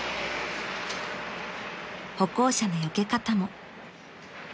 ［歩行者のよけ方も］